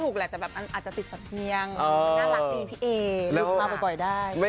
ตื่นเต้นครับเขาเป็นลึกถึงแรกของเขา